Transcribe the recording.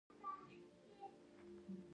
که د پټلۍ له پاسه نور هم وړاندې ولاړ شو.